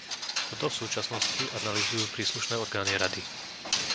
Toto v súčasnosti analyzujú príslušné orgány Rady.